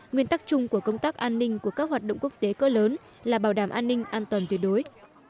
nguyên tắc chung của công tác an ninh của các hoạt động quốc tế cỡ lớn là bảo đảm an ninh an toàn tuyệt đối